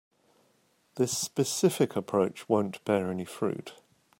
This specific approach won't bear any fruit.